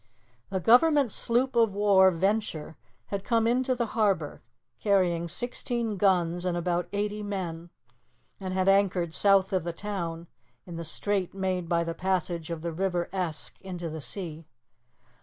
The Government sloop of war Venture had come into the harbour, carrying sixteen guns and about eighty men, and had anchored south of the town, in the strait made by the passage of the River Esk into the sea.